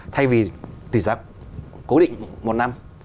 thay vì tỉ giá cố định một năm